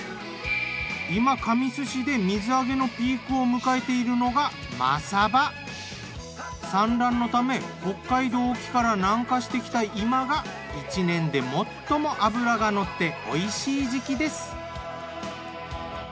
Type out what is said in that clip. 今神栖市で水揚げのピークを迎えているのが産卵のため北海道沖から南下してきた今が一年で最も脂がのっておいしい時期です。